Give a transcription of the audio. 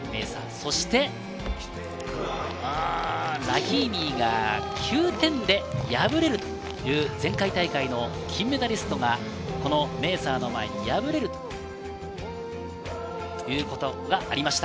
そしてラヒーミーが９点で敗れるという前回大会の金メダリストがこのメーサーの前に敗れるということがありました。